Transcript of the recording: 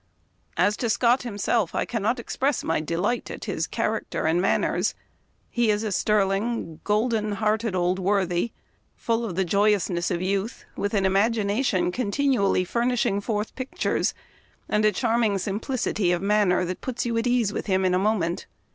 "As to Seott himself, I cannot express my delight at his character and manners. He is a sterling, golden hearted old worthy, ' full of the joyous ness of youth,' with an imagination continually furnishing forth pictures, and a charming sim plicity of manner that puts you at ease with him in a moment.